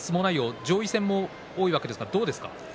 上位戦も多いわけですが相撲内容、どうですか。